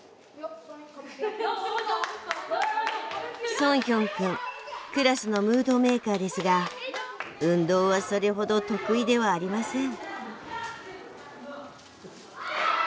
ソンヒョンくんクラスのムードメーカーですが運動はそれほど得意ではありません。